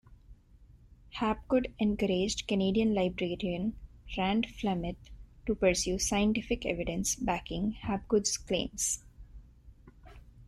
Hapgood encouraged Canadian librarian Rand Flem-Ath to pursue scientific evidence backing Hapgood's claims.